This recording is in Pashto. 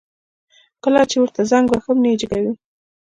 کله چي ورته زنګ وهم نه يي جګوي